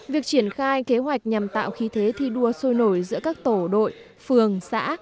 việc triển khai kế hoạch nhằm tạo khí thế thi đua sôi nổi giữa các tổ đội phường xã